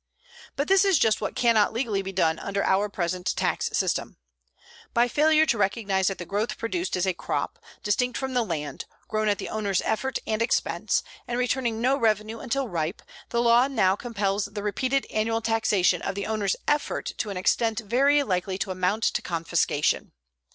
But this is just what cannot legally be done under our present tax system. _By failure to recognize that the growth produced is a crop, distinct from the land, grown at the owner's effort and expense, and returning no revenue until ripe, the law now compels the repeated annual taxation of the owner's effort to an extent very likely to amount to confiscation.